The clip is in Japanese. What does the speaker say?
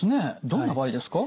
どんな場合ですか？